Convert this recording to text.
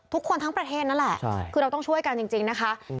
ทุกคนทั้งประเทศนั่นแหละคือเราต้องช่วยกันจริงนะคะ